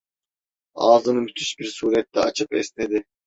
Ağzını müthiş bir surette açıp esnedi.